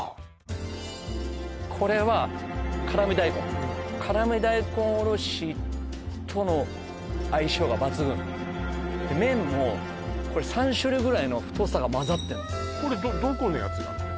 これは辛味大根辛味大根おろしとの相性が抜群麺もこれ３種類ぐらいの太さがまざってんのこれどこのやつなの？